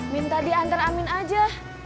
minta diantar amin aja